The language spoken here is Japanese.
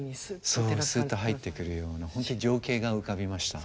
そうすっと入ってくるような本当に情景が浮かびました。